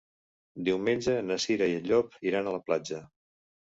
Diumenge na Cira i en Llop iran a la platja.